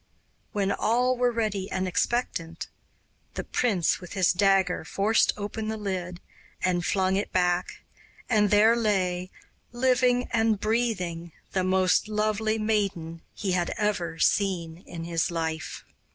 When all were ready and expectant, the prince with his dagger forced open the lid and flung it back, and there lay, living and breathing, the most lovely maiden he had ever seen in his life.